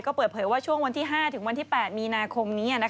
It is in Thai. ก็เปิดเผยว่าช่วงวันที่๕๘มีนาคมนี่